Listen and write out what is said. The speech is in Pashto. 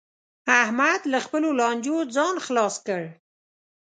احمد له خپلو لانجو ځان خلاص کړ